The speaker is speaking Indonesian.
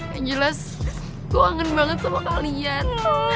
yang jelas gue kangen banget sama kalian